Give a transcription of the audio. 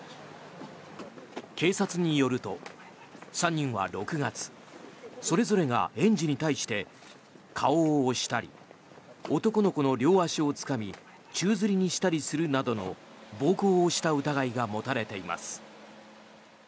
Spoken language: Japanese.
警察によると、３人は６月それぞれが園児に対して顔を押したり男の子の両足をつかみ宙づりにしたりするなどの暴行をした疑いが持たれています。